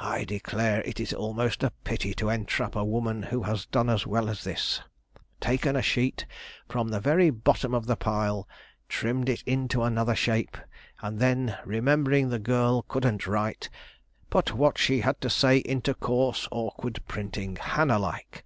I declare it is almost a pity to entrap a woman who has done as well as this taken a sheet from the very bottom of the pile, trimmed it into another shape, and then, remembering the girl couldn't write, put what she had to say into coarse, awkward printing, Hannah like.